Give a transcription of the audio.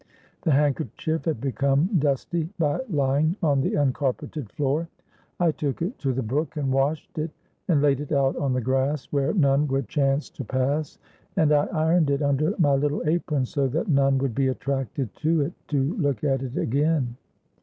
The handkerchief had become dusty by lying on the uncarpeted floor. I took it to the brook and washed it, and laid it out on the grass where none would chance to pass; and I ironed it under my little apron, so that none would be attracted to it, to look at it again.